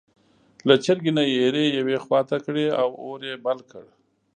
له چرګۍ نه یې ایرې یوې خوا ته کړې او اور یې بل کړ.